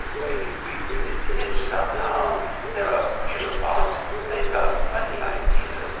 We we didn't hitch, somehow. They're a queer lot. They've got funny ideas.